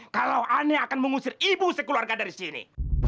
kalau anda akan mengusir ibu sekeluarga dari sini